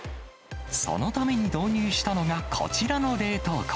そのために導入したのがこちらの冷凍庫。